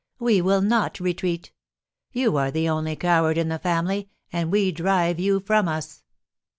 We will not retreat! You are the only coward in the family, and we drive you from us!"